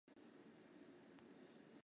类花岗园蛛为园蛛科园蛛属的动物。